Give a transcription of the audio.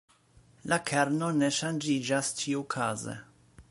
La kerno ne ŝanĝiĝas ĉiukaze.